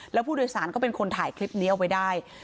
แล้วผู้โดยสารก็เป็นคนถ่ายคลิปนี้เอาไว้ได้